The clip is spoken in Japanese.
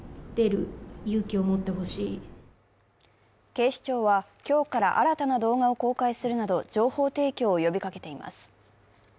警視庁は今日から新たな動画を公開するなど情報提供を呼びかけています。